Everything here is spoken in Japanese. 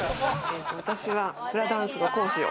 私はフラダンスの講師を。